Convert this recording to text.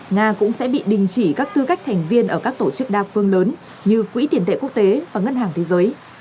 nga cũng sẽ bị đình chỉ các tư cách thành viên ở các tổ chức đa phương lớn như quỹ tiền tệ quốc tế và ngân hàng thế giới